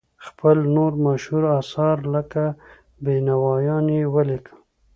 خپل نور مشهور اثار لکه بینوایان یې ولیکل.